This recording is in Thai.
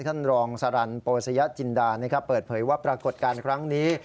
ท่านรองสรรโปสยจินดาเปิดเผยว่าปรากฏการณ์ครั้งนี้